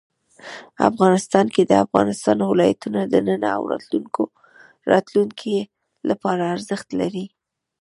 افغانستان کې د افغانستان ولايتونه د نن او راتلونکي لپاره ارزښت لري.